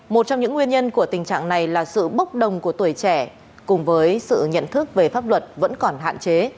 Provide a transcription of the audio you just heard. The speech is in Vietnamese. một trong những nguyên nhân của tình trạng này là sự bốc đồng của tuổi trẻ cùng với sự nhận thức về pháp luật vẫn còn hạn chế